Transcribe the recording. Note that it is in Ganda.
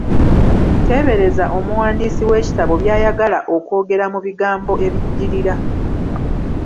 Teebereza omuwandiisi w'ekitabo by'ayagala okwogera mu bigambo ebiddirira.